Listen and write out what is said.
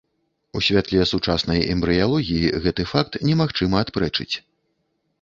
У святле сучаснай эмбрыялогіі гэты факт немагчыма адпрэчыць.